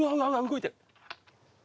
動いてる。